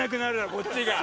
こっちは。